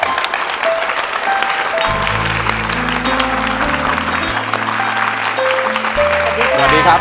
สวัสดีครับ